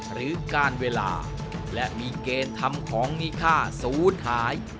หรือการเวลาและมีเกณฑ์ทำของมีค่าศูนย์หาย